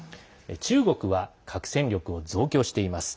中国は核戦力を増強しています。